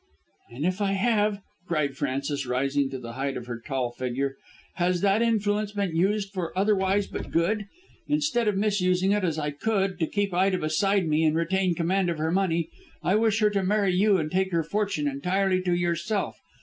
"And if I have," cried Frances, rising to the height of her tall figure, "has that influence been used for otherwise but good? Instead of misusing it, as I could, to keep Ida beside me and retain command of her money, I wish her to marry you and take her fortune entirely to yourself.